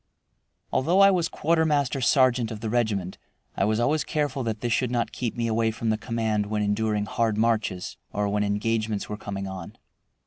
Although I was quartermaster sergeant of the regiment, I was always careful that this should not keep me away from the command when enduring hard marches or when engagements were coming on.